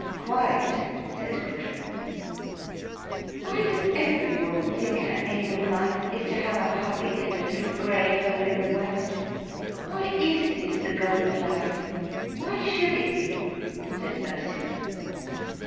"Quite!" said Gudrun. "Why does every woman think her aim in life is to have a hubby and a little grey home in the west? Why is this the goal of life? Why should it be?" said Ursula.